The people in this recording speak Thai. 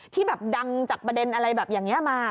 ที่แบบดังจากประเด็นอะไรแบบอย่างนี้มา